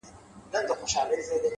د تجربې درد حکمت زېږوي’